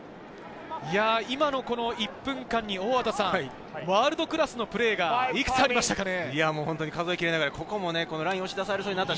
今の１分間にワールドクラスのプレーがいくつありましたかね。